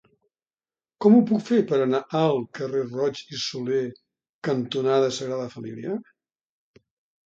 Com ho puc fer per anar al carrer Roig i Solé cantonada Sagrada Família?